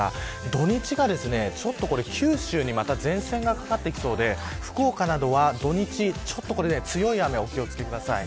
土、日が九州にまた前線がかかってきそうで福岡などは土日、ちょっと強い雨にお気を付けください。